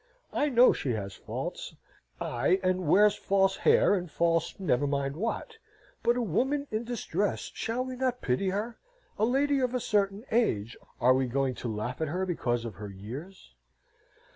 I know she has faults ay, and wears false hair and false never mind what. But a woman in distress, shall we not pity her a lady of a certain age, are we going to laugh at her because of her years?